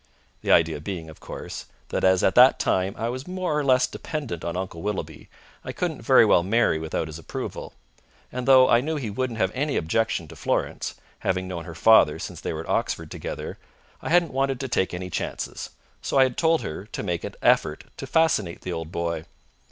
The idea being, of course, that as at that time I was more or less dependent on Uncle Willoughby I couldn't very well marry without his approval. And though I knew he wouldn't have any objection to Florence, having known her father since they were at Oxford together, I hadn't wanted to take any chances; so I had told her to make an effort to fascinate the old boy.